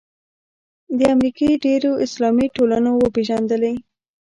د امریکې ډېرو اسلامي ټولنو وپېژندلې.